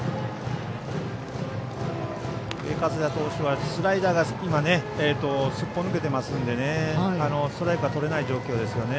上加世田投手はスライダーが今、すっぽ抜けてますのでストライクとれない状況ですね。